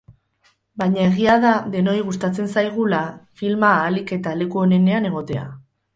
Baina egia da denoi gustatzen zaigula filma ahalik eta leku onenean egotea.